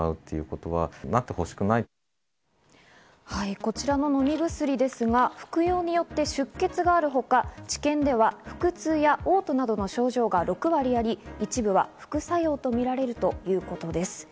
こちらの飲み薬ですが、服用によって出血があるほか、治験では腹痛や嘔吐などの症状が６割あり、一部は副作用とみられるということです。